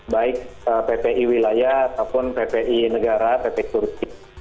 baik ppi wilayah ataupun ppi negara ppi turki